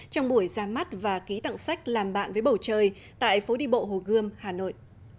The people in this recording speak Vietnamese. trong buổi ra mắt và ký tặng sách làm bạn với bầu trời tại phố đi bộ hồ gươm hà nội